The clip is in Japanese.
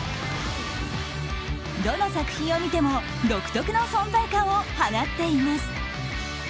どの作品を見ても独特の存在感を放っています。